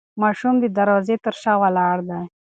ماشوم د دروازې تر شا ولاړ دی.